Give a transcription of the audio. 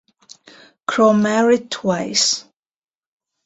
Kroh married twice.